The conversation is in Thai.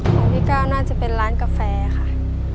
ของพี่ก้าวน่าจะเป็นร้านกาแฟค่ะ